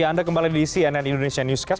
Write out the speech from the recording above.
ya anda kembali di cnn indonesia newscast